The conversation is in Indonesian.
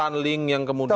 tautan link yang kemudian